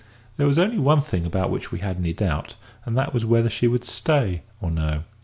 There was only one thing about which we had any doubt, and that was whether she would stay or no.